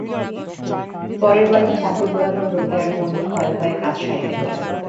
পরের বাড়ি, ঠাকুর-দালানের রোয়াকের কোণে ভয়ে ভয়ে কাজ সারিতে হইল।